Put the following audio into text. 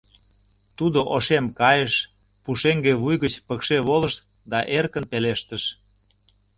Тудо ошем кайыш, пушеҥге вуй гыч пыкше волыш да эркын пелештыш: